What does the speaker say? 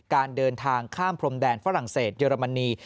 การเดินทางข้ามพรมแดนฝรั่งเศสเยอรมนี